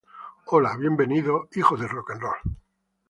Hola, bienvendos, hagan sus donaciones